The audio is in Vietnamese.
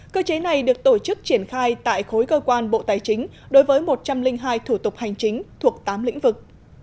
cơ chế này được tổ chức triển khai tại khối cơ quan bộ tài chính đối với một trăm linh hai thủ tục hành chính thuộc tám lĩnh vực